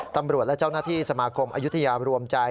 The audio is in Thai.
ตำรวจและเจ้าหน้าที่สมาคมอายุทยารวมใจ